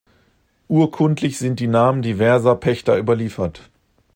Urkundlich sind die Namen diverser Pächter überliefert.